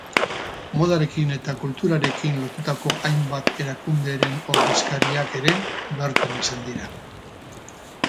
Modarekin eta kulturarekin lotutako hainbat erakunderen ordezkariak ere bertan izan dira.